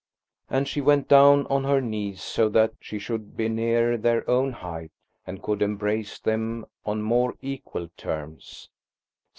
And she went down on her knees so that she should be nearer their own height and could embrace them on more equal terms.